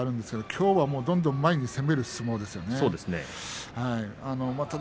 きょうはどんどん前に出る相撲でした。